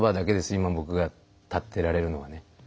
今僕が立ってられるのはね。